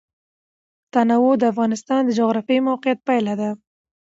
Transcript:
تنوع د افغانستان د جغرافیایي موقیعت پایله ده.